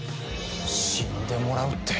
死んでもらうって。